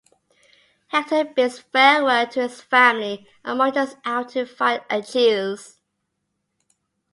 Hector bids farewell to his family and marches out to fight Achilles.